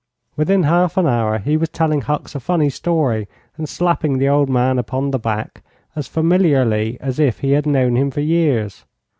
Within half an hour he was telling Hucks a funny story and slapping the old man upon the back as familiarly as if he had known him for years.